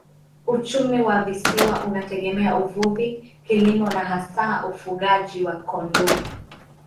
Uchumi wa visiwa unategemea uvuvi, kilimo na hasa ufugaji wa kondoo.